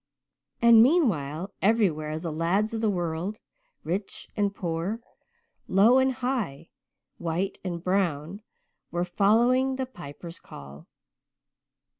And, meanwhile, everywhere, the lads of the world rich and poor, low and high, white and brown, were following the Piper's call.